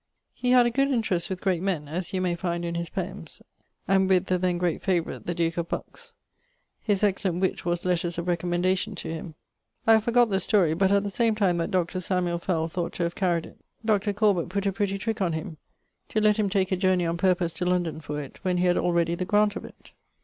He had a good interest with great men, as you may find in his poems, and with the then great favourite, the duke of Bucks; his excellent witt was lettres of recommendation to him. I have forgott the story, but at the same time that Dr. Fell thought to have carried it, Dr. Corbet putt a pretty trick on to lett him take a journey on purpose to London for it, when he had already the graunt of it.